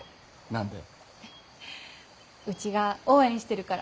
何で？